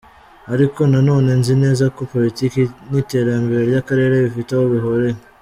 Ariko nanone nzi neza ko politiki n'iterambere ry'akarere bifite aho bihuriye.